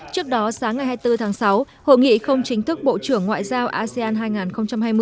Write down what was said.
trước đó sáng ngày hai mươi bốn tháng sáu hội nghị không chính thức bộ trưởng ngoại giao asean hai nghìn hai mươi